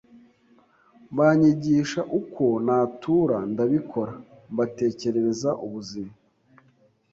banyigisha uko natura ndabikora, mbatekerereza ubuzima